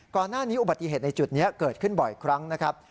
อุบัติเหตุในจุดนี้เกิดขึ้นบ่อยครั้งนะครับ